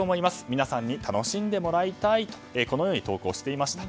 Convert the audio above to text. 皆さんに楽しんでもらいたいと投稿していました。